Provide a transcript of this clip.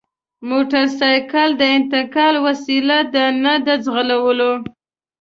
موټرسایکل د انتقال وسیله ده نه د ځغلولو!